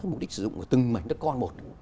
mục đích sử dụng của từng mảnh đất con một